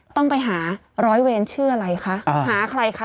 ต้องไปหาร้อยเวรชื่ออะไรคะหาใครคะ